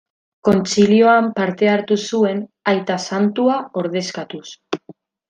Kontzilioan parte hartu zuen, aita santua ordezkatuz.